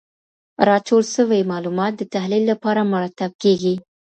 راټول سوي معلومات د تحلیل لپاره مرتب کیږي.